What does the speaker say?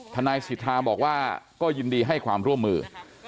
ทนายสิทธาบอกว่าก็ยินดีให้ความร่วมมือ